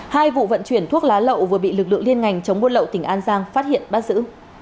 hai vụ vận chuyển thuốc lá lậu vừa bị lực lượng liên ngành chống buôn lậu tỉnh an giang phát hiện bắt giữ